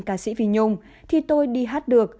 ca sĩ phi nhung thì tôi đi hát được